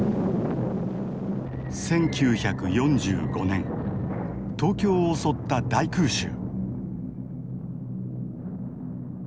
１９４５年東京を襲った大空襲。